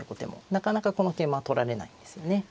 なかなかこの桂馬は取られないんですよね。